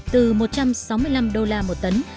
từ một trăm sáu mươi năm đô la một tấn